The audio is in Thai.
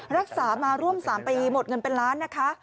รักษามาร่วม๓ปีหมดเงินเป็นล้านนะคะ